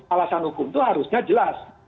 alasan hukum itu harusnya jelas